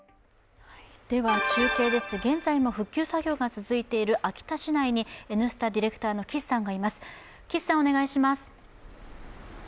中継です、現在も復旧作業が続いている秋田市内に「Ｎスタ」ディレクターの岸さんがいます。